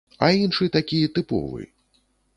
А іншы такі, тыповы.